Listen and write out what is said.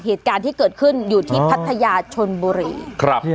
เหตุการณ์ที่เกิดขึ้นอยู่ที่พัทยาชนบุรีครับ